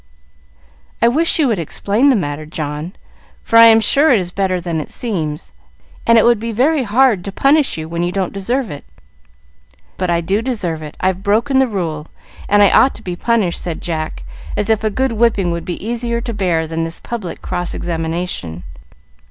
"I wish you would explain the matter, John, for I am sure it is better than it seems, and it would be very hard to punish you when you don't deserve it." "But I do deserve it; I've broken the rule, and I ought to be punished," said Jack, as if a good whipping would be easier to bear than this public cross examination.